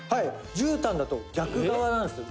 じゅうたんだと逆側なんですよ」